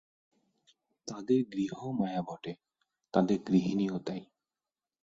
তাদের গৃহও মায়া বটে, তাদের গৃহিণীও তাই।